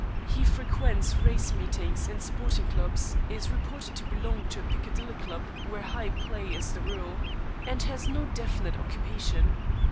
He frequents race meetings and sporting clubs, is reported to belong to a Piccadilly club where high play is the rule, and has no definite occupation.